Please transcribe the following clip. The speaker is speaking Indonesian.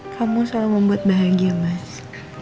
kamu selalu membuat bahagia mas